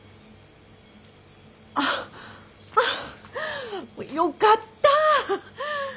あっもうよかった！